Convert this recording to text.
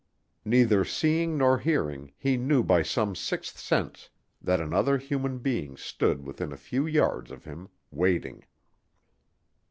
Neither seeing nor hearing, he knew by some sixth sense that another human being stood within a few yards of him waiting.